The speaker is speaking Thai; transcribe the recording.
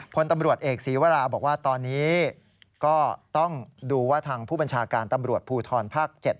พลตำรวจเอกศีวราบอกว่าตอนนี้ก็ต้องดูว่าทางผู้บัญชาการตำรวจภูทรภาค๗